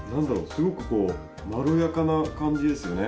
すごくこうまろやかな感じですよね。